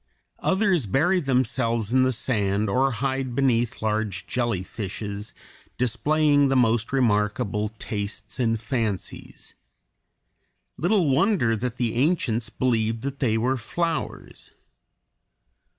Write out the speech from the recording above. Others bury themselves in the sand or hide beneath large jellyfishes, displaying the most remarkable tastes and fancies. Little wonder that the ancients believed that they were flowers.